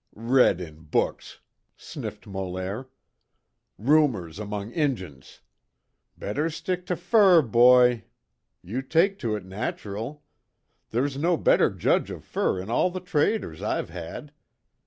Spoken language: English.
"Read it in books!" sniffed Molaire. "Rumors among Injuns! Ye better stick to fur, boy. Ye take to it natural. There's no better judge of fur in all the traders I've had.